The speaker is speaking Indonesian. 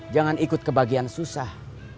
jangan ikut kebagian susah